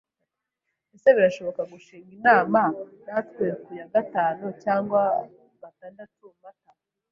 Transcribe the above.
Ese birashoboka gushinga inama natwe ku ya gatanu cyangwa gatandatu Mata?